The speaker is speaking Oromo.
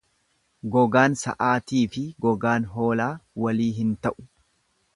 Gogaan sa'aatiifi gogaan hoolaa walii hin ta'u.